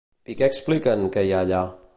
I què expliquen que hi ha allà?